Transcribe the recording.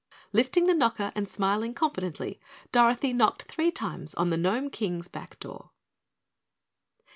Lifting the knocker and smiling confidently, Dorothy knocked three times on the Gnome King's back door.